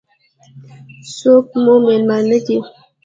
څوک مو مېلمانه دي؟